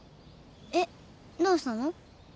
えっどうしたの？